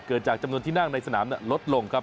จากจำนวนที่นั่งในสนามลดลงครับ